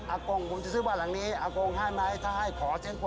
อีกเทปนึงคุณต้องมาใหม่นะ